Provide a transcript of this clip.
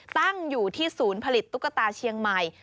ตั้งอยู่ที่ศูนย์ผลิตตุ๊กตาเชียงใหม่